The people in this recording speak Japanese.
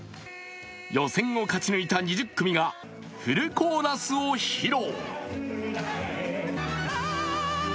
予選を勝ち抜いた２０組がフルコーラスを披露。